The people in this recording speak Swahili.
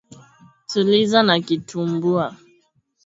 Tuliza na kitumbua.